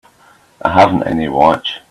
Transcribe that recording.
I haven't any watch.